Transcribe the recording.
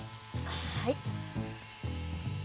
はい。